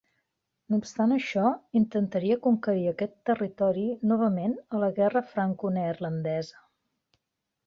No obstant això, intentaria conquerir aquest territori novament a la Guerra Franconeerlandesa.